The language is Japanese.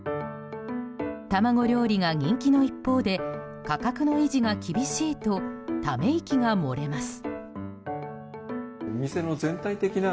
卵料理が人気の一方で価格の維持が厳しいとため息が漏れます。